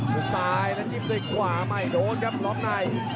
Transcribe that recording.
ดูซ้ายแล้วจิ้มด้วยขวาใหม่โดดครับรอบใน